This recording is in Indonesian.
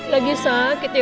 lagi sakit ya